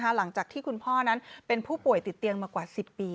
หลังจากที่คุณพ่อนั้นเป็นผู้ป่วยติดเตียงมากว่า๑๐ปี